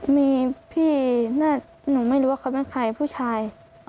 มีพี่หนูไม่รู้ว่าเขาเป็นใครผู้ชาย